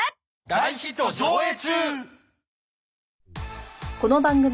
大ヒット上映中！